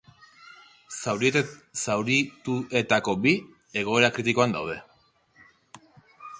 Zaurituetako bi egoera kritikoan daude.